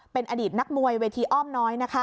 เป็นอดีตนักมวยเวทีอ้อมน้อย